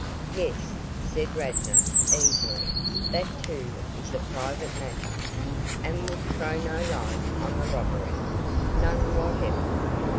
"Yes," said Radnor, easily, "that too is a private matter." "And would throw no light on the robbery?" "None whatever."